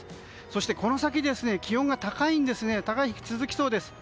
そして、この先気温が高い日が続きそうです。